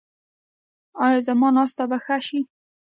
ایا زما ناسته به ښه شي؟